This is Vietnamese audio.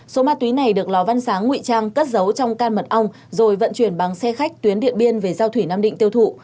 số ma túy này được lò văn sáng nguy trang cất giấu trong can mật ong rồi vận chuyển bằng xe khách tuyến điện biên về giao thủy nam định tiêu thụ